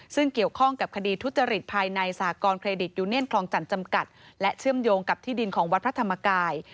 ซึ่งเกี่ยวข้องกับคดีทุจริตภายในสากรณเครดิตยูเนียนคลองจันทร์จำกัดและเชื่อมโยงกับที่ดินของวัดพระธรรมกาย